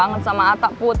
sambil berbicara sama atta put